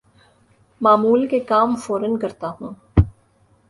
معمول کے کام فورا کرتا ہوں